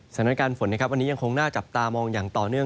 สถานการณ์ฝนนะครับวันนี้ยังคงน่าจับตามองอย่างต่อเนื่อง